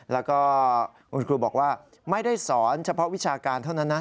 แล้วก็คุณครูบอกว่าไม่ได้สอนเฉพาะวิชาการเท่านั้นนะ